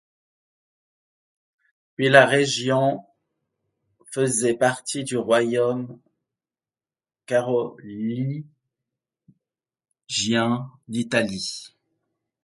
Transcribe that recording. Puis, la région faisait partie du royaume carolingien d'Italie.